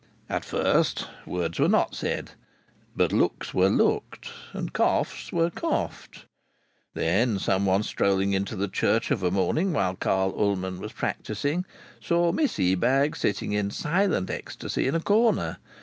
At first words were not said; but looks were looked, and coughs were coughed. Then someone, strolling into the church of a morning while Carl Ullman was practising, saw Miss Ebag sitting in silent ecstasy in a corner.